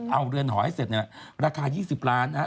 เอาเรือนหอให้เสร็จเนี่ยราคา๒๐ล้านนะฮะ